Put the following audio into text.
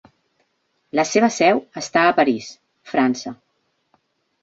La seva seu està a París, França.